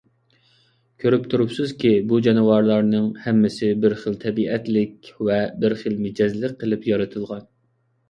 كۆرۈپ تۇرۇپسىزكى، بۇ جانىۋارلارنىڭ ھەممىسى بىر خىل تەبىئەتلىك ۋە بىر خىل مىجەزلىك قىلىپ يارىتىلغان.